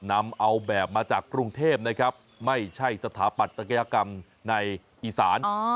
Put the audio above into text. นำเอาแบบมาจากกรุงเทพนะครับไม่ใช่สถาปัตยกรรมในอีสาน